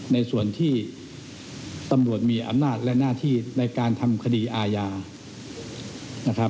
ในส่วนที่ตำรวจมีอำนาจและหน้าที่ในการทำคดีอาญานะครับ